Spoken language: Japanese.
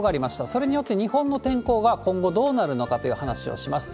それによって、日本の天候が今後どうなるのかという話をします。